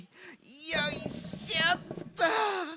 よいしょっと。